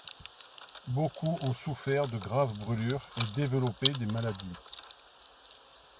Beaucoup ont souffert de graves brulures et développés des maladies.